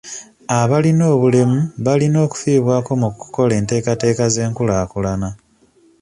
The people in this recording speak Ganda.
Abalina obulemu balina okufiibwako mu kukola enteekateeka z'enkulaakulana.